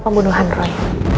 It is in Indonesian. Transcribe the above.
seorang pembunuhan roy